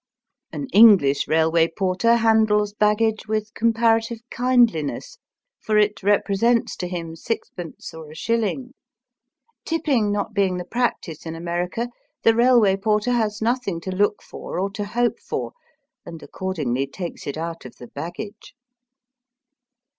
An English railway porter handles baggage with comparative kindliness, for it represents to him sixpence or a shilling. Tipping not being the practice in America, the railway porter has nothing to look for or to hope for, and accordingly takes it out of the baggage.